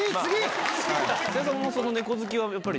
その猫好きはやっぱり。